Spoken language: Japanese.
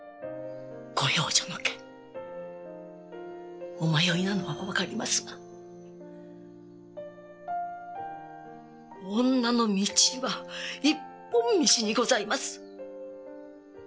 ご養女の件お迷いなのは分かりますが女の道は一本道にございます。